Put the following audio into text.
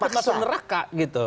takut masuk neraka gitu